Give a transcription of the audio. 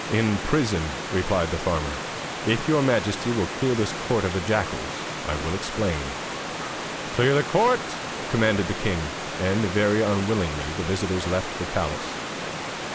'In prison,' replied the farmer; 'if your majesty will clear this court of the jackals I will explain.' 'Clear the court!' commanded the king; and, very unwillingly, the visitors left the palace.